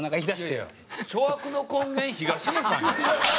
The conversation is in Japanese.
諸悪の根源東野さんやん。